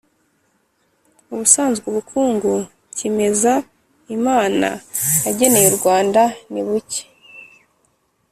ubusanzwe ubukungu cyimeza imana yageneye u rwanda ni buke